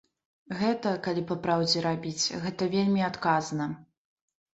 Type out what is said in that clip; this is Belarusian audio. Гэта, калі па-праўдзе рабіць, гэта вельмі адказна.